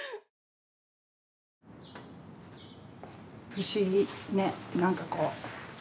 不思議ねなんかこう。